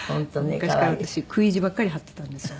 昔から私食い意地ばっかり張っていたんですよ。